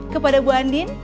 kepada bu andin